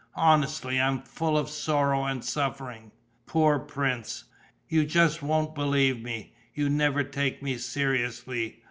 "Honestly, I am full of sorrow and suffering...." "Poor prince!" "You just won't believe me. You never take me seriously.